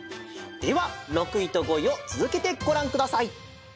では６いと５いをつづけてごらんください！